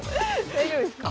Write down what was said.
大丈夫ですか？